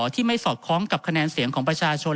ที่ไม่สอดคล้องกับคะแนนเสียงของประชาชน